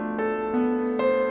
gak ada apa apa